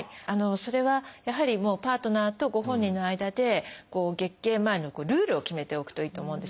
それはやはりパートナーとご本人の間で月経前のルールを決めておくといいと思うんですよね。